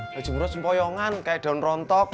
haji murot sempoyongan kayak daun rontok